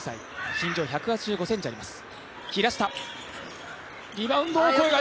身長１８５ｃｍあります。